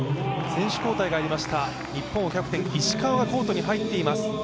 選手交代がありました、日本のキャプテン、石川がコートに入っています。